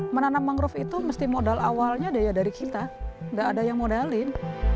menanam mangrove itu mesti modal awalnya dari kita nggak ada yang modalin